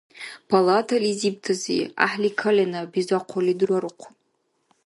Палатализибтази – гӀяхӀли калена бизахъурли дурарухъун.